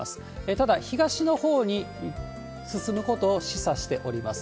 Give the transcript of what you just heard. ただ、東のほうに進むことを示唆しております。